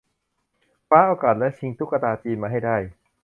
คว้าโอกาสและชิงตุ๊กตาจีนมาให้ได้